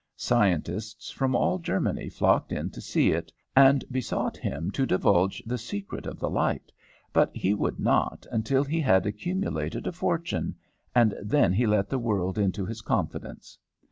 Scientists from all Germany flocked in to see it, and besought him to divulge the secret of the light, but he would not until he had accumulated a fortune, and then he let the world into his confidence.